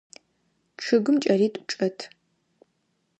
Чъыгым кӏэлитӏу чӏэт.